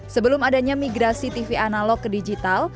sebelum adanya migrasi tv analog ke digital